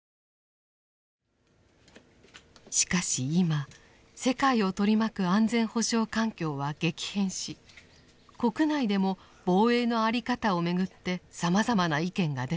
しかし今世界を取り巻く安全保障環境は激変し国内でも防衛の在り方をめぐってさまざまな意見が出ています。